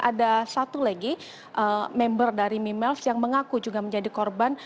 ada satu lagi member dari mimiles yang mengaku juga menjadi korban